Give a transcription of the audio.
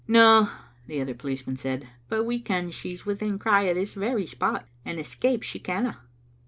"No," the other policeman said, "but we ken she's within cry o* this very spot, and escape she canna."